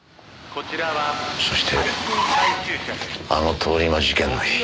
そしてあの通り魔事件の日。